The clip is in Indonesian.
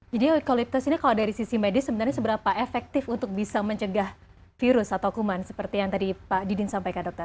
jadi eukalyptus ini kalau dari sisi medis sebenarnya seberapa efektif untuk bisa mencegah virus atau kuman seperti yang tadi pak didin sampaikan dokter